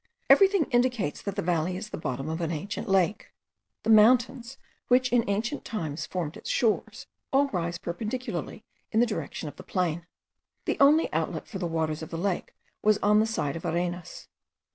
Everything indicates that the valley is the bottom of an ancient lake. The mountains, which in ancient times formed its shores, all rise perpendicularly in the direction of the plain. The only outlet for the waters of the lake was on the side of Arenas.